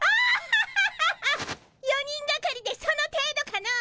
４人がかりでその程度かの。